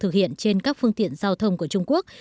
thực hiện trên các phương tiện giao thông của trung quốc